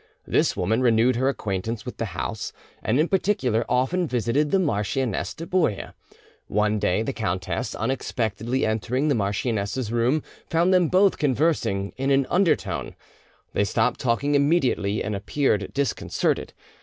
This woman renewed her acquaintance with the house, and in particular often visited the Marchioness de Bouille. One day the countess, unexpectedly entering the marchioness's room, found them both conversing in an undertone. They stopped talking immediately, and appeared disconcerted.